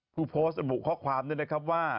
ผู้โพสต์ระบุข้อความด้วยนะครับว่า